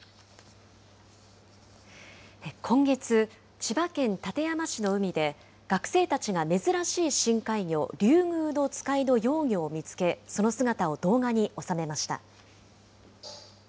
今月、千葉県館山市の海で、学生たちが珍しい深海魚、リュウグウノツカイの幼魚を見つけ、その姿を動画に収めました。